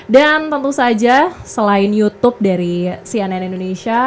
dan tentu saja selain youtube dari cnn indonesia